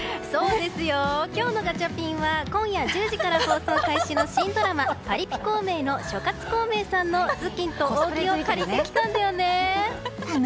今日のガチャピンは今夜１０時から放送開始の新ドラマ「パリピ孔明」の諸葛孔明さんのずきんとおうぎを借りてきたんだね。